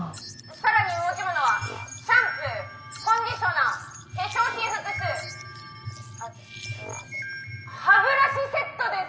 「更に持ち物はシャンプーコンディショナー化粧品複数あと歯ブラシセットです！」。